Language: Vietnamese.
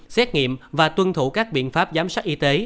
xét nghiệm và tuân thủ các biện pháp giám sát y tế